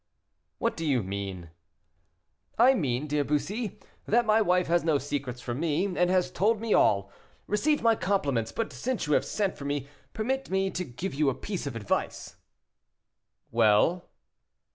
"What do you mean?" "I mean, dear Bussy, that my wife has no secrets from me, and has told me all. Receive my compliments, but, since you have sent for me, permit me to give you a piece of advice." "Well."